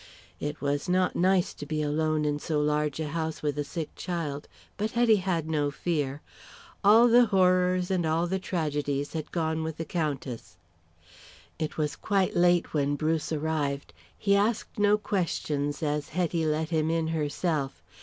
It was not nice to be alone in so large a house with a sick child, but Hetty had no fear. All the horrors and all the tragedies had gone with the Countess. It was quite late when Bruce arrived. He asked no questions, as Hetty let him in herself.